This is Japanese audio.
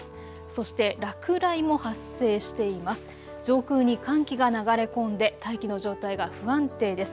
そして落雷も発生しています。